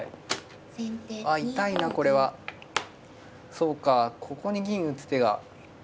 そうかここに銀打つ手が。